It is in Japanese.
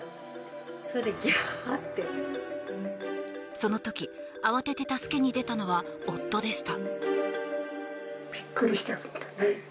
その時、慌てて助けに出たのは夫でした。